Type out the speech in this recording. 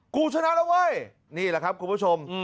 กูชนะแล้วเว้ยนี่แหละครับคุณผู้ชม